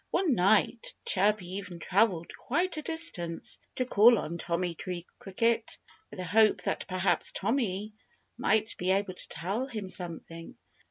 One night Chirpy even travelled quite a distance to call on Tommy Tree Cricket, with the hope that perhaps Tommy might be able to tell him something.